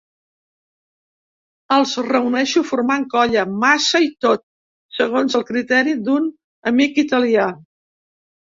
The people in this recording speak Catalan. Els reuneixo formant colla, massa i tot, segons el criteri d'un amic italià.